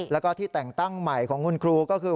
แล้วก็ที่แต่งตั้งใหม่ของคุณครูก็คือ